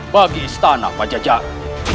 bagi istana pajajaran